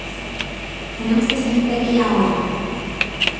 Tenemos que salir de aquí ahora.